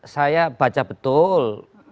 saya baca betul